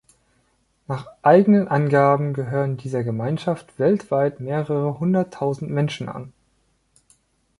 Nach eigenen Angaben gehören dieser Gemeinschaft weltweit mehrere hunderttausend Menschen an.